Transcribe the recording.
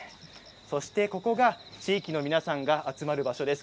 そして、ここが地域の皆さんが集まる場所です。